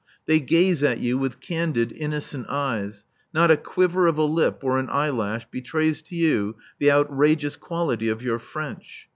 They gaze at you with candid, innocent eyes; not a quiver of a lip or an eyelash betrays to you the outrageous quality of your French.